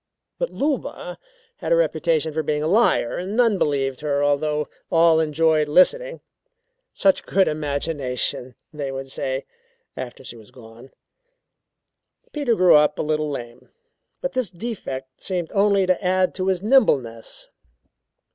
But Luba had a reputation for being a liar, and none believed her although all enjoyed listening. "Such good imagination," they would say, after she was gone. Peter grew up a little lame, but this defect seemed only to add to his nimbleness.